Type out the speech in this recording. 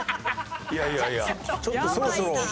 いやいやいやちょっとそろそろ。